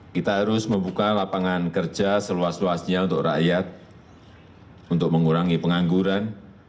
kita harus membuka lapangan kerja seluas luasnya untuk rakyat untuk mengurangi pengangguran